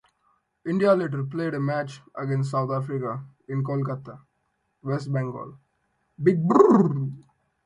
India later played a match against South Africa in Kolkata, West Bengal.